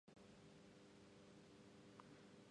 世界で誰かがウェイティング、小池ユニバースです。